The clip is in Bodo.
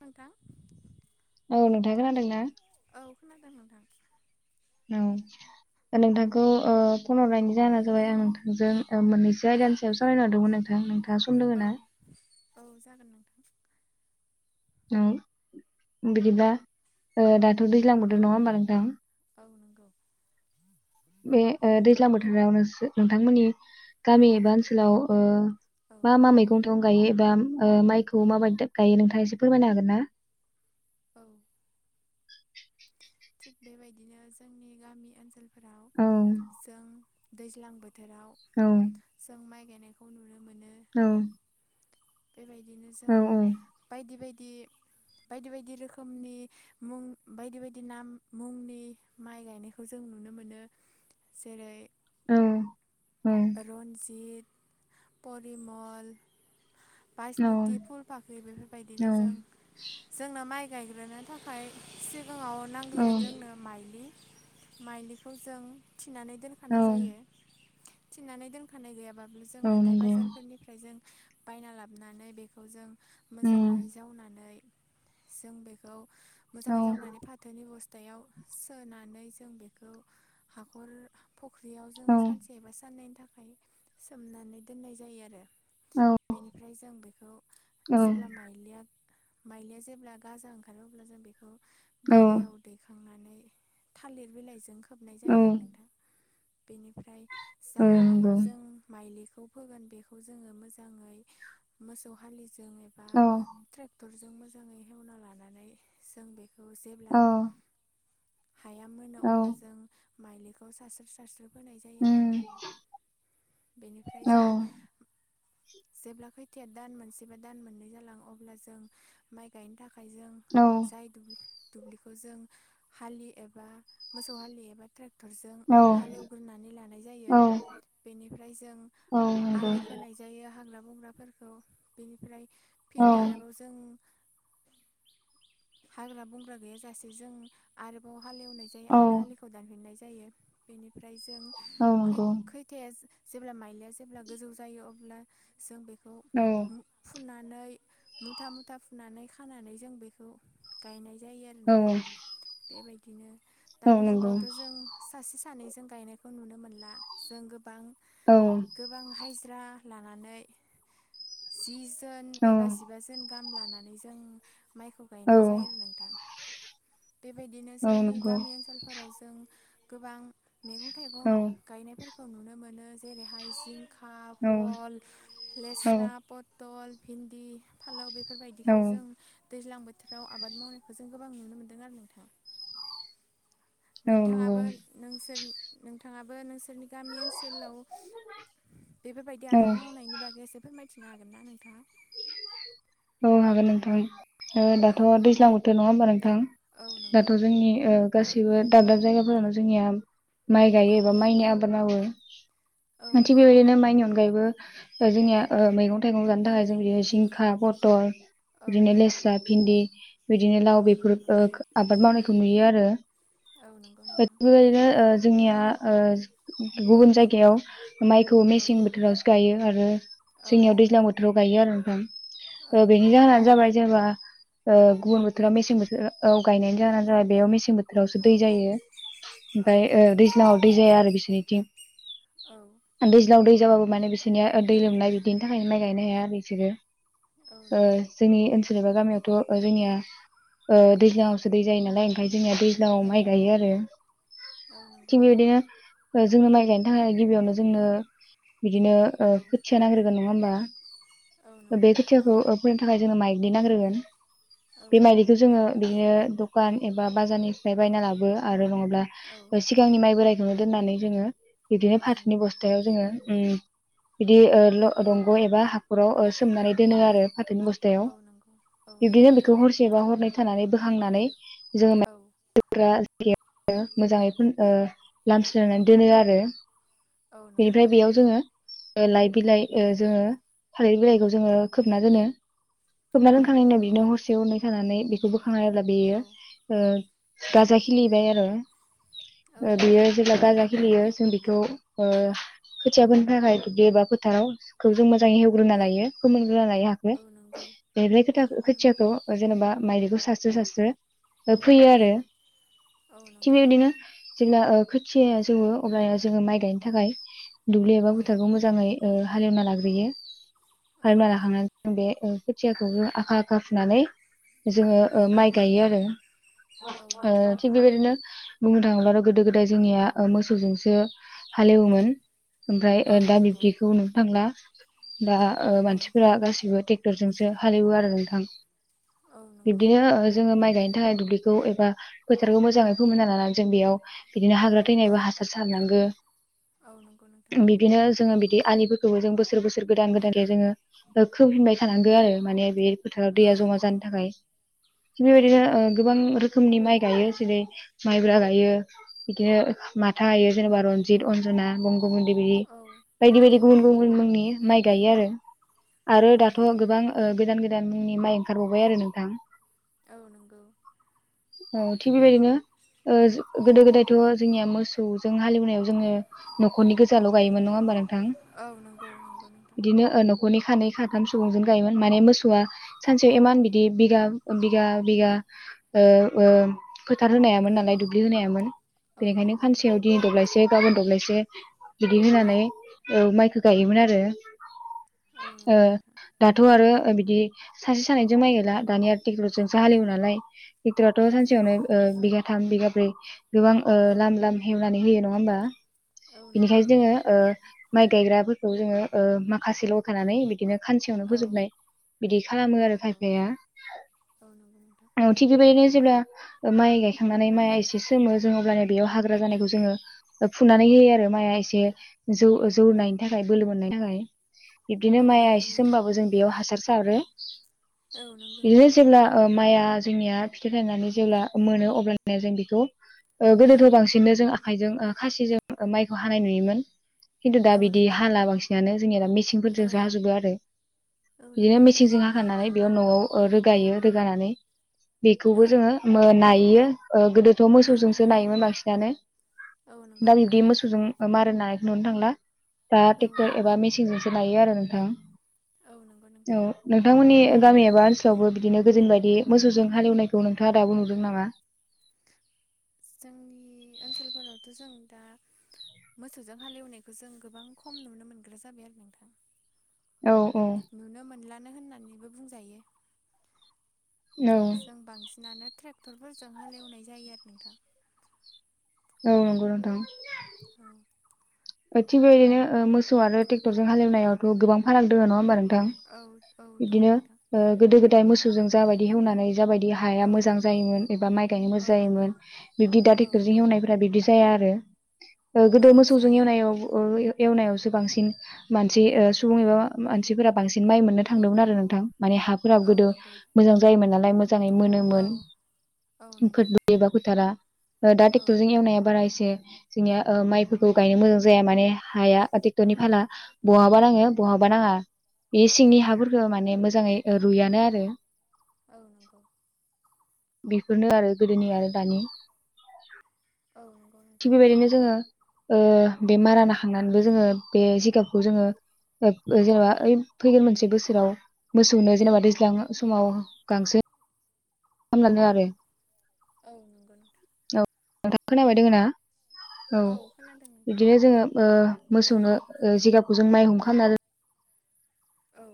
अ‌ नोंथां औ नोंथां खोनादों ना औ खोनादों नोंथां औ नोंथांखौ फन हरनायनि जाहोना जाबाय आं नोंथांजों मोननैसो आयदानि सायाव सावरायनो हरदोंमोन नोंथां नोंथां औ औ जागोन नोंथां औ बिदिबा दाथ' दैज्लां बोथोर नङा होमबा नोंथां औ नंगौ बे दैज्लां बोथोरावनो नोंथांमोननि गामि एबा ओनसोलाव औ मा मा मैगं थाइ गं गायो एबा माइखौ माबायदि गायो नोंथाङा एसे फोरमायनो हागोन ना औ थिग बेबायदिनो जोंनि गामि ओनसोल औ दैज्लां बोथोराव औ जों माइ गायनायखौ नुनो मोनो औ बेबायदिनो औ जों बायदि बायदि बायदि बायदि रोखोमनि मुं बायदि बायदि नाम मुंनि माइ गायनायखौ जों नुनो मोनो जेरै औ रन्जित परिमल बासमुथि फुल फाख्रि बेफोरबायदिनो औ जों जोंना माइ गायग्रोनो थाखाय सिगाङाव नांग्रोगोन औ जोंनो माइलि माइलिखौ जों थिनानै औ दोनखानाय जायो थिननानै दोनखानाय गैयाबाब्लो जों औ हाथाय नंगौ बाजारफोरनिफ्राय जों बायना लाबनानै बेखौ जों उम मोजाङै जावनानै जों बेखौ औ मोजाङै जावनानै फाथोनि बुस्था थायाव सोनानै जों बेखौ हाखर फख्रियाव जों औ सानसेबा साननैनि थाखाय सोमनानै दोननाय जायो आरो औ बेनिफ्राय जों बेखौ औ जेब्ला माइलिया माइलिया जेब्ला गाजा ओंखारो अब्ला जों बेखौ औ बोरियाव दैखांनानै थालिर बिलाइजों खोबनाय औ जायो आरो नोंथां बेनिफ्राय औ जा नंगौ हायाव जों माइलिखौ फोगोन बेखौ जोङो मोजाङै मोसौ हालि जों एबा औ ट्रेक्टरजों मोजाङै हेवना लानानै जों बे औ जेब्ला औ हाया मोनो औ अब्ला जों माइलिखौ सारस्रो सारस्रोनाय फोनाय जायो आरो उम नोंथां बेनिफ्राय औ जों जेब्ला खैथाया दान मोनसे बा दान मोननै जालां अब्ला जों माइ गायनो थाखाय औ आखाइजों जाय दुब्लि दुब्लिखौ जों हालि एबा मोसौ हालि एबा ट्रेक क्टरजों औ हालेवग्रोनानै लानाय औ जायो बेनिफ्राय जों नंगौ आलि खोनाय जायो हाग्रा मावग्राफोरखौ बेनिफ्राय औ फिन आरोबाव जों हाग्रा बंग्रा गैयाजासे जों आरोबाव हालेवनाय जायो औ आरो आलिखौ दानफिननाय जायो बेनिफ्राय जों नंगौ खै खैथाया जेब्ला माइलिया जेब्ला गोजौ जायो अब्ला जों बे औ नै मुथा मुथा फुनानै खानानै जों बेखौ गायनाय जायो आरो औ नंगौ औ नोंथां बेबायदिनो औ नंगौ औ दानि नंगौ जुगावथ' जों सासे सानै गनायखौ नुनो मोनला जों गोबां गोबां हाय ज्रा लानानै जिजोन एबा जिबा जोन‌लान गाम लानानै जों माइखौ गायनाय जायो आरो नोंथां बेबायदिनो जोंनि गामि ओनसोलफोराव जों गोबां मैगं औ थाइगं गायनायफोरखौ नुनो मोनो जेरैहाय जिंखा भल लेस्रा पट टल भिन्दि फालौ बेफोरबायदिखौ जों दैज्लां बोथोराव आबाद मावनायखौ जों गोबां नुनो मोन्दों आरो नोंथाङा नोंथाङाबो नोंसोरनि नोंथाङाबो नों सोरनि गामि ओनसोलाव बेफोरबायदि औ आबाद मावनायनि बागै एसे फोरबाय थिनो हागोन ना नोंथाङा औ हागोन नोंथां औ दाथ' दैज्लां बोथोर नङा होमबा नोंथां औ नंगौ दाथ' जोंनि नंगौ ओ गासि बो दाब दाब जायगाफोरावनो जोंनिया माइ गायो औ एबा माइनि आबाद मावो औ थिग नंगौ बेबायदिनो नोंथां माइनि अनगायैबो ओ जोंनिया मैगं थाइगं जानो थाखाय जों बे जिंखा पटल औ बिदिनो औ लेस्रा भिन्दि बिदिनो लाव औ बेफोर नंगौ ओ नोंथां आबाद मावनायखौ नुयो आरो औ नंगौ [unintelligible] नोंथां जोंनिया ओ गुबुन जायगायाव माइखौ औ मेसें बोथोरावसो गायो आरो औ जोंनियाव नंगौ दैज्लां बोथोराव गायो आरो औ नोंथां। बेनि नंगौ जाहोनानो नोंथां जाबाय जेनबा ओ गुबुन बोथोराव मेसें बोथोर गायनाय जानानै जाय बेयाव मेसें बोथोर [unintelligible] औ दै जायो औ ओमफ्राय नंगौ ओ नोंथां दैज्लाङाव दै जाया आरो बिसोरनिथिं औ दैज्लांआव दै जाबाबो माने बिसोरनिया दै लोमनाय बिदिनि थाखायनो माइ गायनो हाया आरो बिसोरो औ ओ नंगौ जोंनि ओनसोल एबा गामियावथ' जोंनिया ओ दैज्लाङावसो दै जायो नालाय ओंखायसो जोंनिया दैज्लांआव औ माइ गायो आरो औ नंगौ थिग नोंथां बेबायदिनो जोंनो माइ थाखाय गिबियावनो जोंनो बिदिनो ओ औ खोथिया नांग्रोगोन नङा होमबा औ बे नंगौ खोथियाखौ फोनो थाखाय जोनो माइग्लि नांग्रोगोन औ बे नंगौ माइग्लिखौ जोङो बिदिनो दुखान एबा बाजारनिफ्राय बायना लाबो आरो नङाब्ला औ सिगांनि माइ बोराय नो दोननानै जोङो बिदिनो औ फाथोनि नंगौ बस्थायाव जोङो ओम बिदि ओ दंग' एबा हाखराव सोमनानै दोनो आरो फाथोनि बस्थायाव औ नंगौ औ बिब्दिनो नंगौ बेखौ नोंथां हरसेबा हरनै थानानै बोखांनानै जोङो औ [unintelligible] मोजाङै ओ लामस्रोनानै दोनो आरो औ नंगौ बेनिफ्राय बेयाव नोंथां जोङो लाइ बिलाइ ओ औ जोङो थालिर बिलाइखौ जोङो खोबना दोनो खोबना औ नंगौ दोनखांनायनिनो बिनो नोंथां हरसे हरनै थानानै बेखौबो खांना नायब्ला बेयो औ ओ औ गाजा खिलिबाय आरो औ बियो नंगौ जेब्ला गाजा खिलियो जों बि ओ खोथियाफोनो थाखाय दुब्लि एबा फोथाराव जों मोजां हेवग्रोना औ लायो फोमोनग्रोना लायो हाखो औ नंगौ औ नंगौ बेनिफ्राय खोथाखो नोंथां औ नंगौ खोथियाखौ नोंथां जेनेबा माइ सास्रो सास्रो फोयो आरो औ औ थिग नंगौ बेबायदिनो जेब्ला खोथियया जौवो अब्लानिया जोङो माइ गायनो थाखाय दुब्लि एबा फोथारखौ मोजाङै ओ हालेवना लाग्रोयो हालेवना लाखांनान बे खोथियाखौबो आखा आखा फुनानै जोङो औ नंगौ ओ औ माइ नंगौ नोंथां गायो आरो औ ओ थिग नंगौ बेबायदिनो बुंनो थाङोब्लाथ' गोदो गोदाय जोंनिया ओ मोसौजोंसो हालेवोमोन ओमफ्राय ओ औ दा बिब्दिखौ नुनो थांला दा मानसिफोरा गासिबो ट्रेक्टरजोंसो हालेवो आरो नोंथां औ नंगौ बिबदिनो जोङो माइ गायनो थाखाय दुब्लिखौ एबा फोथारखौ मोजाङै फोमोनना लानानै जों बेयाव बिदिनो हाग्रा औ थैनायबो हासार सारनांगो औ नंगौ नोंथां बिदिनो जोङो बिदि आलिफोरखौबो जों बोसोर बोसोर गोदान गोदान जोङो खोफिनबाय थानांगौ आरो माने बे फोथाराव दैया औ जमा नंगौ जानो थाखाय थिग औ बेबायदिनो नंगौ नोंथां गोबां रोखोमनि माइ गायो जेरै माइब्रा गायो बिदिनो माथा गायो जेनेबा रनजित अनजना गं गुबुनदि बिदि औ बायदि बायदि औ गुबुन नंगौ गुबुन मुंनि माइ गायो आरो आरो औ दाथ' नंगौ गोबां ओ गोदान गोदान मुंनि माइ ओंखारबावबाय आरो नोंथां। औ नंगौ औ थिग बेबायदिनो ओ गोदो औ गोदायथ' जोंनिया मोसौजों हालेवनायाव जोङो न'खरनि गोजाल' गायोमोन नङा होमबा नों औ नंगौ नंगौ नोंथां ओ नखरनि खानै खाथाम सुबुंजों गायोमोन माने मोसौआ सानसेयाव इमान बिदि बिगा बिगा बिगा ओ ओ फोथार औ होनायामोन नालाय दुब्लि होनायामोन औ बेनिखायनो नंगौ नोंथां खानसेयाव दिनै दब्लायसे गाबोन दब्लायसे बिदि औ होनानै ओ माइखौ गायोमोन आरो औ ओ नंगौ नोंथां दाथ' आरो बिदि सासे सानैजों माइ गायला दानिया आरो ट्रेक्टरजोंसो औ हालेवो नालाय ट्रेक्टर आथ' औ नंगौ नोंथां सानसेयावनो बिगा थाम बिगा ब्रै गोबां औ लाम लाम हेवनानै होयो नङा होमबा औ नंगौ बिनिखायनो जोङो नोंथां ओ माइ गायग्राफोरखौ जोङो माखासेल' थानानै बिदिनो खानसेयावनो औ फोजोबनाय बिदि खालामो औ आरो नंगौ खायफाया औ नंगौ नोंथां औ थिग बेबायदिनो जेब्ला माइ गायखांनानै माइ एसे सोमो जों अब्लाना बेयाव हाग्रा जानायखौ जोङो फुनानै होयो आरो माइआ एसे जौ औ जौनायनि थाखाय बोलो मोननायनि थाखाय बिब्दिनो औ माइआ नंगौ एसे नोंथां सोमबाबो जों बेयाव हासार औ [unintelligible] नंगौ बियो जेब्ला ओ माइआ जोंनिया फिथाइ थायनानै जेब्ला मोनो अब्लानिया जों बेखौ ओ औ गोदोथ' बांसिननो जों आखाइजों ओ खासिजों माइखौ हानाय नुयोमोन। खिन्तु दा औ बिदि नंगौ हाला नोंथां बांसिनानो जोंनिया दा मेसिनफोर औ दोंसो हाजोबो आरो औ बेयो नंगौ नोंथां मेसिनजों हाखांनानै बेयाव न'आव ओ रोगायो-रोगानानै बेखौबो औ जोङो मोनायो ओ गोदो थ' औ मोसौजोंसो नंगौ नायोमोन बांसिनानो औ नंगौ दा बिब्दि नोंथां मोसौजों मारोन नानायखौ नुनो थांला। दा औ ट्रेक्टर एबा मेसिनजोंसो नायो आरो। नोंथाङा औ नंगौ नोंथां औ नोंथांमोननि गामि एबा ओनसोलावबो बिदिनो गोदोनि बायदि मोसौजों हाल एवनायखौ नोंथाङा दाबो नुदों नामा? [unintelligible] जोंनि ओनसोलफोरावथ' जों दा मोसौजों हाल एवनायखौ जों गोबां खम नुनो मोनग्रा जाबाय आरो नोंथां। औ नुनो मोनलानो होननानैबो बुंजायो। औ जों बांसिनानो ट्रेक्टरफोरजों हाल एवनाय जायो आरो नोंथां। औ नंगौ नोंथां। थिग बेबायदिनो ओ मोसौ आरो ट्रेक्टरजों हाल एवनायावथ' गोबां फाराग दङ नङा होमबा नों थां आरो बिदिनो नोंथां ओ गोदो गोदाय मोसौजों जा बायदि एवनानै जा बायदि हाया औ दङ नोंथां औ मोजां जायोन एबा माइ गायनो मोजां औ नंगौ जायोमोन बिदि दा औ ट्रेक्टरजों एवनायफोरा बिदि जाया आरो। औ जाया। औ ओ ए-एवनायावसो बांसिन मानसि ओ सुबुं एबा मानसिफोरा बांसिन माइ मोननो औ थांदोंमोन आरो नोंथां माने हाफोराबो औ गोदो नंगौ मोजां जायोमोन नालाय मो जांयै औ मोनोमोन औ [unintelligible] नंगौ बो एबा फोथारा। ओ दा औ ट्रेक्टर जों एवनाया बारा इसे जोंनिया ओ माइफोर खौ गायनो मोजां जाया माने हाया ओ औ ट्रेक्टरनि फाला बहाबा नाङो बहाबा नाङा। बे औ सिंनि नंगौ हाफोरखो नोंथां माने मोजाङै रुइयानो आरो। औ नंगौ बेफोरनो आरो गोदोनि आरो दानि। औ नंगौ नोंथां थिग बेबायदिनो जोङो ओ बे मारा नाखांनानैबो जोङो बे जिगाबखौ जोङो जेनेबा औ ओइ फैगोन मोनसे बोसोराव मोसौनो औ जेनेबा दैज्लां समाव गांसो खामना दिनो आरो। औ नंगौ नोंथां। औ नोंथां खोनाबाय दङ ना? औ खोनादों नोंथां बिदिनो जोङो ओ मोसौनो ओ जिगाबखौ जों माइ हुम खामना औ।